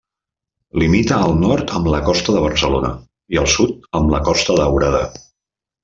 Limita al nord amb la Costa de Barcelona i al sud amb la Costa Daurada.